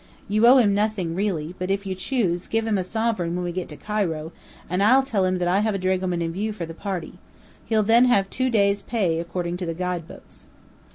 You owe him nothing really, but if you choose, give him a sovereign when we get to Cairo, and I'll tell him that I have a dragoman in view for the party. He'll then have two days' pay, according to the guide books."